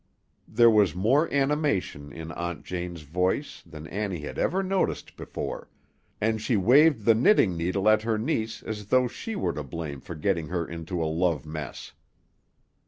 There was more animation in Aunt Jane's voice than Annie had ever noticed before, and she waved the knitting needle at her niece as though she were to blame for getting her into a love mess.